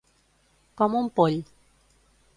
Com un poll.